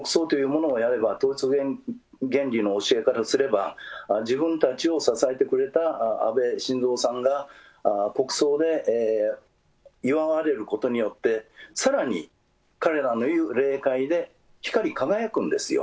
さらに国葬というものをやれば、統一原理の教えからすれば、自分たちを支えてくれた安倍晋三さんが国葬で祝われることによってさらに彼らのいう霊界で光り輝くんですよ。